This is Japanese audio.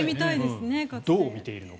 どう見ているのか。